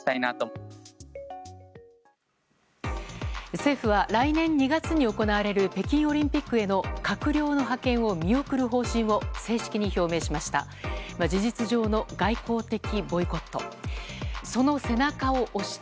政府は来年２月に行われる北京オリンピックへの閣僚の派遣を見送る方針を正式に表明しました。